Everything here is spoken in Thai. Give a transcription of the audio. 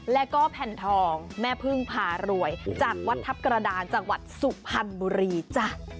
แล้วก็แผ่นทองแม่พึ่งพารวยจากวัดทัพกระดานจังหวัดสุพรรณบุรีจ้ะ